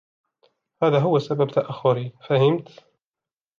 هذا هو سبب تأخري "فهمت"